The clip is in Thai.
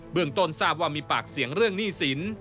เมืองต้นทราบว่ามีปากเสียงเรื่องหนี้สิน